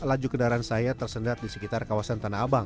laju kendaraan saya tersendat di sekitar kawasan tanah abang